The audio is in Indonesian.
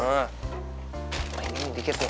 nah ini dikit nih